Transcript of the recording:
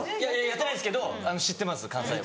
やってないですけど知ってます幹細胞。